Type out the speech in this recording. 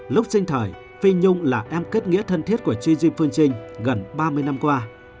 lúc sinh thời phi nhung là em kết nghĩa thân thiết của jim phương trinh gần ba mươi năm qua